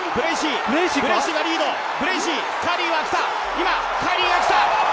今、カーリーが来た！